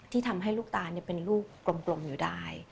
ที่ทำให้ลูกตาเป็นลูกกลมอยู่ได้